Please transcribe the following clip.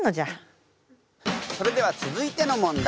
それでは続いての問題